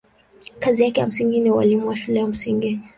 Kazi yake ya msingi ni ualimu wa shule ya msingi.